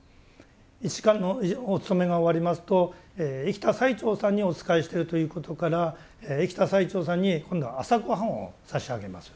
１時間のお勤めが終わりますと生きた最澄さんにお仕えしてるということから生きた最澄さんに今度は朝ごはんを差し上げます。